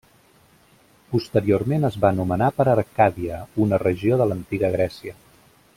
Posteriorment es va nomenar per Arcàdia, una regió de l'Antiga Grècia.